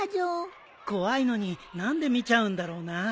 怖いのに何で見ちゃうんだろうな。